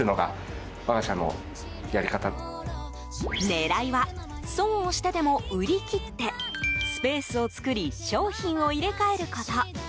狙いは、損をしてでも売り切ってスペースを作り商品を入れ替えること。